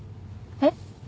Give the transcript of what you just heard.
えっ？